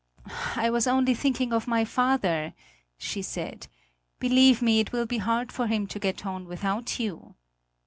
"I was only thinking of my father," she said; "believe me, it will be hard for him to get on without you."